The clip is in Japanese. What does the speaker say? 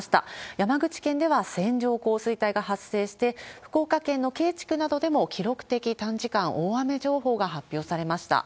山口県では線状降水帯が発生して、福岡県のけい地区などでも記録的短時間大雨情報が発表されました。